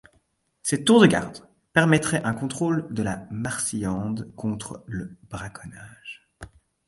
Cette tour de garde permettait un contrôle de la Marcillande contre le braconnage.